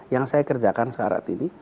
yang saya kerjakan saat ini